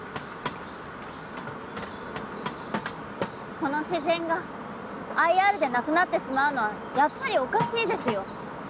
この自然がＩＲでなくなってしまうのはやっぱりおかしいですよ。